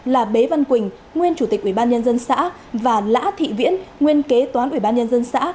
là bế văn quỳnh nguyên chủ tịch ubnd xã và lã thị viễn nguyên kế toán ubnd xã